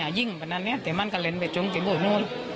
อย่ายิ่งอย่ายิ่งแต่มันก็เล็นไปจงกี่บนโน้น